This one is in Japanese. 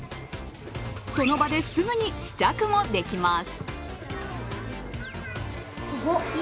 その場ですぐに試着もできます。